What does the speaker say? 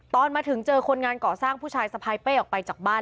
ตอนมาถึงเจอคนงานก่อสร้างผู้ชายสะพายเป้ออกไปจากบ้าน